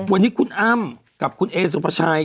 วันนี้คุณอ้ำกับคุณเอสุภาชัย